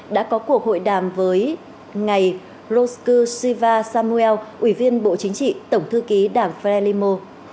đã có cuộc hội đàm với ngày roscu siva samuel ủy viên bộ chính trị tổng thư ký đảng varelimo